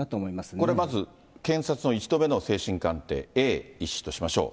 これまず、検察の１度目の精神鑑定、Ａ医師としましょう。